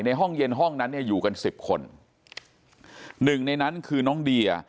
ห้องเย็นห้องนั้นเนี่ยอยู่กันสิบคนหนึ่งในนั้นคือน้องเดีย